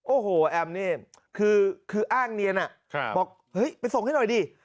โอ้โหแอมนี่คืออ้างเนียนบอกเฮ้ยไปส่งให้หน่อยดิ